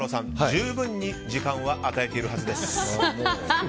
十分に時間は与えているはずです。